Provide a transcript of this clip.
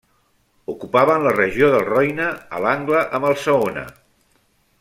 Ocupaven la regió del Roine a l'angle amb el Saona.